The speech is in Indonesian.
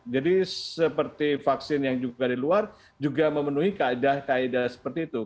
jadi seperti vaksin yang juga dari luar juga memenuhi kaedah kaedah seperti itu